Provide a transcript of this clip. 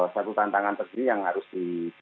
satu tantangan tersendiri yang harus di